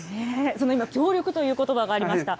その今、協力ということばがありました。